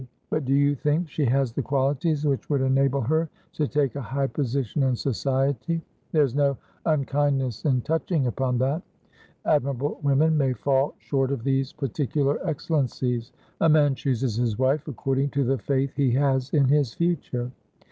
But do you think she has the qualities which would enable her to take a high position in society? There's no unkindness in touching upon that. Admirable women may fall short of these particular excellencies. A man chooses his wife according to the faith he has in his future."